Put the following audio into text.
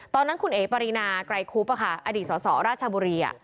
ตอนนั้นคุณเอ๋ปรินาไกรคุบอดีตสสราชบุรี